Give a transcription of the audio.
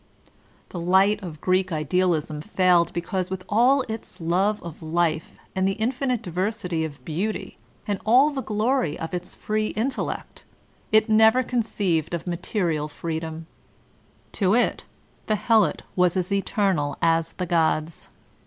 The light of Greek idealism failed because with all its love of life and the infinite diversity of beauty, and all the glory of its free intellect, it never conceived of material freedom; to it the Helot was as eternal as the Gods.